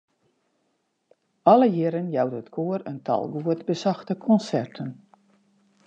Alle jierren jout it koar in tal goed besochte konserten.